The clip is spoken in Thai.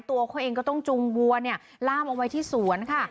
ตัวเขาเองก็ต้องจุงวัวเนี่ยล่ามเอาไว้ที่สวนค่ะ